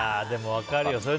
でも、分かるよ。